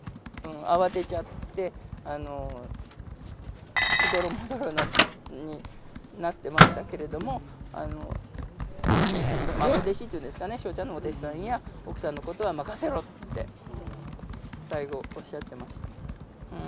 慌てちゃって、しどろもどろになってましたけれども、孫弟子っていうんですかね、笑ちゃんのお弟子さんや奥さんのことは任せろって、最後おっしゃってました。